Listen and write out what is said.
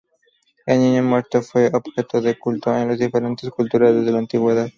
El niño muerto fue objeto de culto en las diferentes culturas desde la antigüedad.